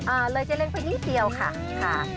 อ่าเลยเจเล้งไปนี่เดียวค่ะค่ะ